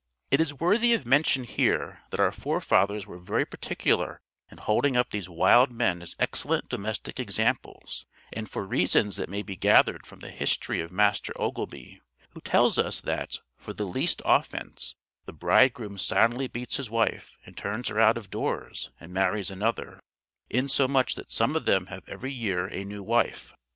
It is worthy of mention here that our forefathers were very particular in holding up these wild men as excellent domestic examples and for reasons that may be gathered from the history of Master Ogilby, who tells us that "for the least offence the bridegroom soundly beats his wife and turns her out of doors, and marries another, insomuch that some of them have every year a new wife."